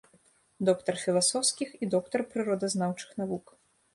Доктар філасофскіх і доктар прыродазнаўчых навук.